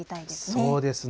そうですね。